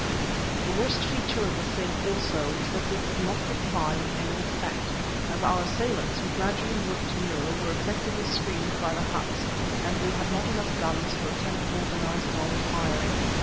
The worst feature of the thing also was that we could not reply with any effect, as our assailants, who gradually worked nearer, were effectively screened by the huts, and we had not enough guns to attempt organised volley firing.